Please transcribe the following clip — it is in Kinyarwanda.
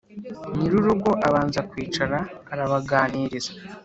" nyir'urugo abanza kwicara arabaganiriza,